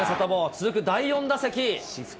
続く第４打席。